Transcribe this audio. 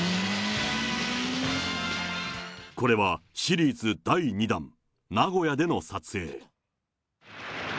これは、シリーズ第２弾、名古屋での撮影。